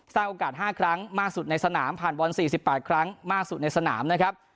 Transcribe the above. สร้างโอกาสห้าครั้งมากสุดในสนามผ่านบอลสี่สิบแปดครั้งมากสุดในสนามนะครับ